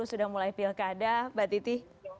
sudah mulai pilkada mbak titi